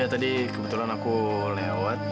ya tadi kebetulan aku lewat